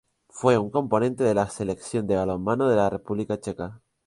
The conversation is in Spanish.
Fue un componente de la Selección de balonmano de la República Checa.